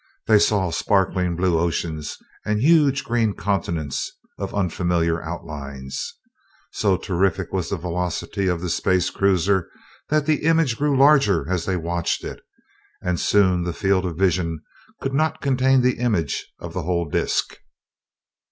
They saw sparkling blue oceans and huge green continents of unfamiliar outlines. So terrific was the velocity of the space cruiser, that the image grew larger as they watched it, and soon the field of vision could not contain the image of the whole disk.